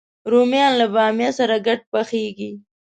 رومیان له بامیه سره ګډ پخېږي